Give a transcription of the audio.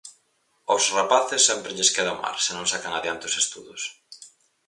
Ós rapaces sempre lles queda o mar, se non sacan adiante os estudos.